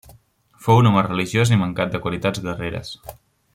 Fou un home religiós i mancat de qualitats guerreres.